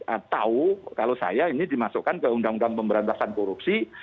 atau kalau saya ini dimasukkan ke undang undang pemberantasan korupsi